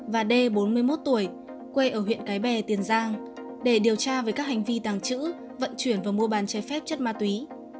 và d bốn mươi một tuổi quê ở huyện cái bè tiền giang để điều tra về các hành vi tàng trữ vận chuyển và mua bàn trái phép chất ma túy